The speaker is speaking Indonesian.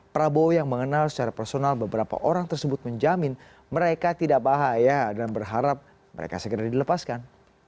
prabowo yang mengenal secara personal beberapa orang tersebut menjamin mereka tidak bahaya dan berharap mereka segera dilepaskan